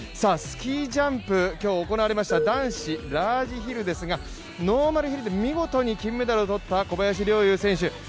スキージャンプ今日行われました男子ラージヒルですがノーマルヒルで見事に金メダルをとった小林陵侑選手。